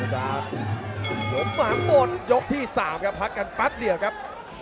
หลมหางหมดยกที่๓ครับพักกันปั๊ดเดี๋ยวครับ